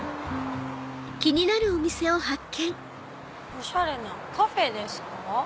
おしゃれなカフェですか？